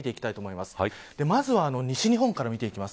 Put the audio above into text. まずは西日本から見ていきます。